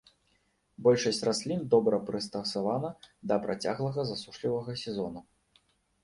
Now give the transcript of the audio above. Большасць раслін добра прыстасавана да працяглага засушлівага сезона.